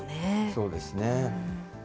そうですね。